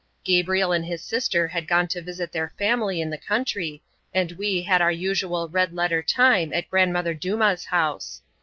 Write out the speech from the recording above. Gabriel and his sister had gone to visit their family in the country and we had our usual "red letter" time at Grandmother Dumas' house.